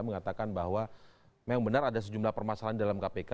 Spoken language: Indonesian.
mengatakan bahwa memang benar ada sejumlah permasalahan dalam kpk